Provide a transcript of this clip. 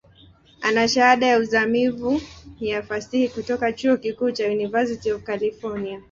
Ana Shahada ya uzamivu ya Fasihi kutoka chuo kikuu cha University of California.